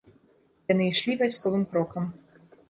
Яны ішлі вайсковым крокам.